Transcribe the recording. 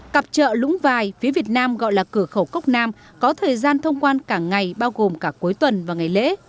cặp trợ lũng vài phía việt nam gọi là cửa khẩu cốc nam có thời gian thông quan cả ngày bao gồm cả cuối tuần và ngày lễ